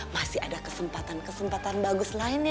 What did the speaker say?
masih ada kesempatan kesempatan bagus lainnya